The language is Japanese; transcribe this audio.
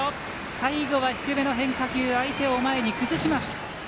最後は低めの変化球相手を前に崩しました。